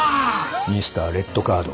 ミスター・レッドカード。